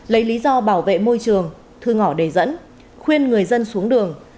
lấy lý do bảo vệ môi trường thư ngỏ đề dẫn khuyên người dân xuống đường